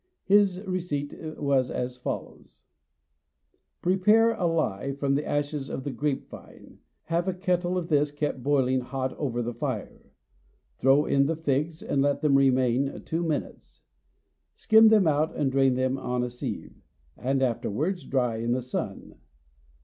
His receipt was as follows: "Prepare a lye from the ashes of the grape vine; have a kettle of this kept boiling hot over the fire; throw in the figs, and let them remain two minutes; skim them out and drain them on a sieve, and afterwards dry in the sun."